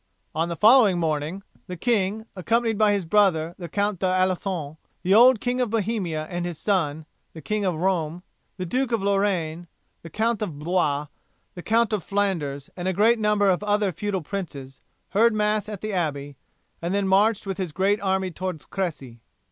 On the following morning the king, accompanied by his brother the Count d'Alencon, the old King of Bohemia and his son, the King of Rome, the Duke of Lorraine, the Count of Blois, the Count of Flanders, and a great number of other feudal princes, heard Mass at the Abbey, and then marched with his great army towards Cressy.